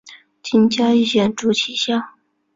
今嘉义县竹崎乡。